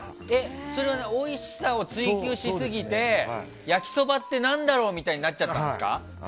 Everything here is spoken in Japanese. それはおいしさを追求しすぎて焼きそばって何だろうみたいになっちゃったんですか。